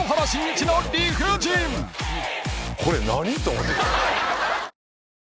これ何！？と思って。